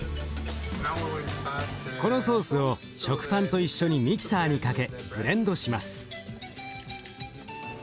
このソースを食パンと一緒にミキサーにかけブレンドします。